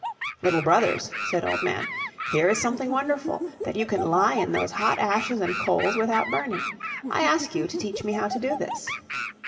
"Little brothers," said Old Man, "here is something wonderful that you can lie in those hot ashes and coals without burning. I ask you to teach me how to do this."